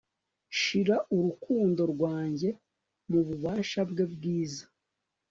Shira urukundo rwanjye mububasha bwe bwiza